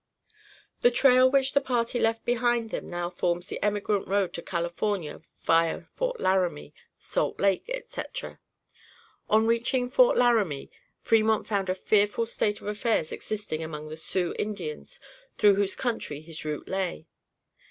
The trail which the party left behind them now forms the emigrant road to California via Fort Laramie, Salt Lake, etc. On reaching Fort Laramie, Fremont found a fearful state of affairs existing among the Sioux Indians through whose country his route lay.